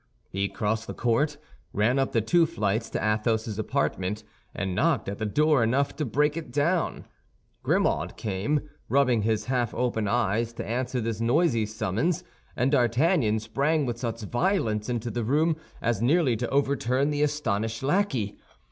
He crossed the court, ran up the two flights to Athos's apartment, and knocked at the door enough to break it down. Grimaud came, rubbing his half open eyes, to answer this noisy summons, and D'Artagnan sprang with such violence into the room as nearly to overturn the astonished lackey.